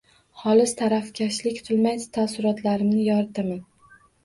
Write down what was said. Holis, tarafkashlik qilmay taassurotlarimni yoritaman